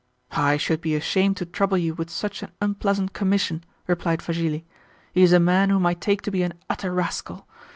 "I should be ashamed to trouble you with such an unpleasant commission," replied Vassili. "He is a man whom I take to be an utter rascal.